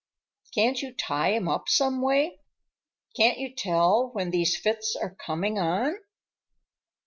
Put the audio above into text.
Can't you tie him up someway? Can't you tell when these fits are coming on?"